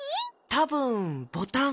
たぶんボタン。